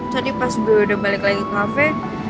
tadi pas gue udah balik lagi cafe